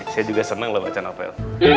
saya juga senang loh baca novel